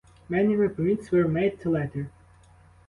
Many reprints were made later.